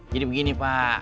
jadi begini pak